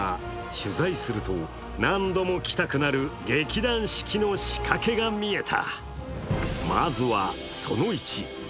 取材すると、何度も来たくなる劇団四季の仕掛けが見えた。